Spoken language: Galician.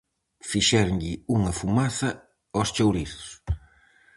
Fixéronlle unha fumaza aos chourizos.